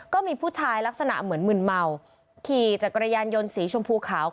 ก็มีผู้ชายลักษณะเหมือนมึนเมาขี่จักรยานยนต์สีชมพูขาว